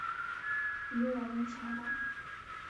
比我们强大